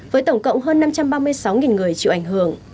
với tổng cộng hơn năm trăm ba mươi sáu người chịu ảnh hưởng